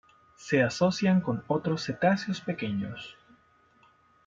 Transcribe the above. Se asocian con otros cetáceos pequeños.